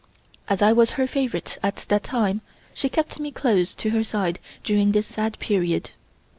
As I was her favorite at that time, she kept me close to her side during this sad period.